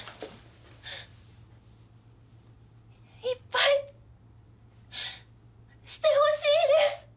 いっぱいシてほしいです！